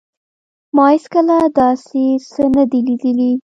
ما هیڅکله داسې څه نه دي لیدلي